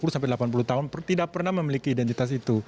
sepuluh sampai delapan puluh tahun tidak pernah memiliki identitas itu